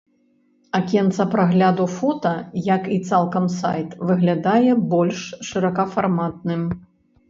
Акенца прагляду фота, як і цалкам сайт, выглядае больш шырокафарматным.